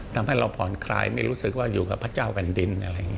ทำให้เราผ่อนคลายไม่รู้สึกว่าอยู่กับพระเจ้าแบ่งดิน